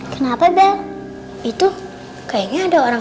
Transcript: kenapa bang itu kayaknya ada orang